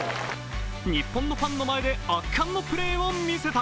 日本のファンの前で圧巻のプレーを見せた。